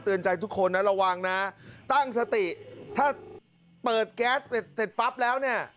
ใจทุกคนนะระวังนะตั้งสติถ้าเปิดแก๊สเสร็จปั๊บแล้วเนี่ย